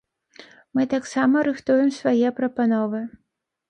Мы таксама рыхтуем свае прапановы.